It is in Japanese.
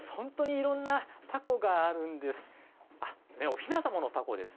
いろんな凧があるんです。